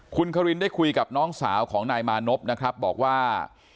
คุณครินได้คุยกับน้องสาวของนายมานพนะครับบอกว่า